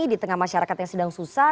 di tengah masyarakat yang sedang susah